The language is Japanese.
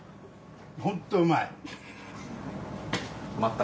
本当にうまい。